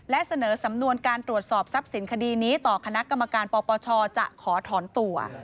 และเสนอสำนวนการตรวจสอบทรัพย์สินคดีนี้ต่อคณะกรรมการปปชจะขอถอนตัว